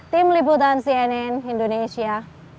tim liputan cnn indonesia